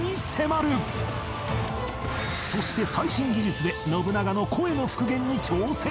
そして最新技術で信長の声の復元に挑戦！